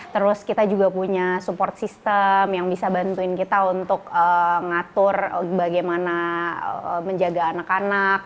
terus kita juga punya support system yang bisa bantuin kita untuk ngatur bagaimana menjaga anak anak